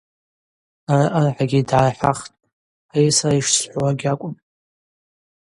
Араъа рахӏагьи дгӏархӏахтӏ: ари сара йшсхӏвауа гьакӏвым.